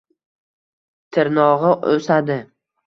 Tirnog‘i o‘sadi